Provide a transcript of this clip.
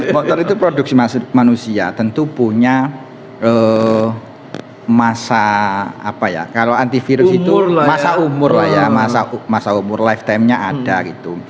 motor itu produksi manusia tentu punya masa umur lah ya masa umur lifetime nya ada gitu